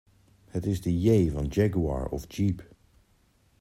Het is de J van Jaguar of Jeep.